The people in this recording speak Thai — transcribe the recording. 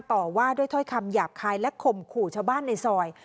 ต่อว่าด้วยถ้อยคำหยาบคายและข่มขู่ชาวบ้านในซอย